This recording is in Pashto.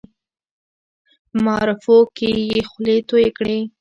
په معارفو کې یې خولې تویې کړې.